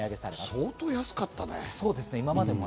相当安かったね。